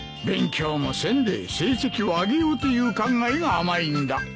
勉強もせんで成績を上げようという考えが甘いんだ。